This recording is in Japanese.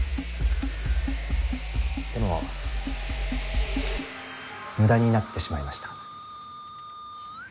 でも無駄になってしまいました。